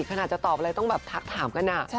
ขนาดจะตอบอะไรต้องแบบทักถามกัน